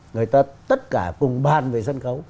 người ta tất cả cùng bàn về sân khấu